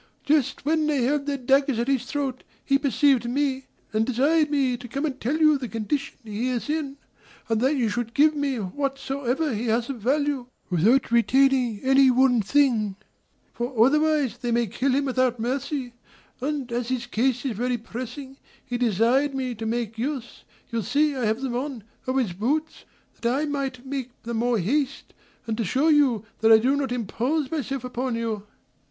Just when they held their daggers at his throat, he perceived me, and desired me to come and tell you the condition he is in, and that you should give me whatsoever he has of value, without retaining any one thing; for otherwise they will kill him without mercy; and, as his case is very pressing, he desired me to make use (you see I have them on) of his boots, that I might make the more haste, and to shew you that I do not impose upon you."